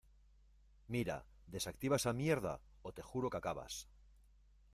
mira, desactiva esa mierda o te juro que acabas